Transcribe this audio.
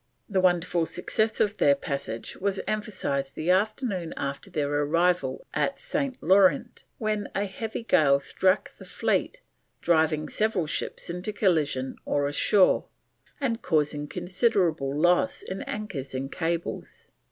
The wonderful success of their passage was emphasised the afternoon after their arrival at St. Laurent when a heavy gale struck the fleet, driving several ships into collision or ashore, and causing considerable loss in anchors and cables.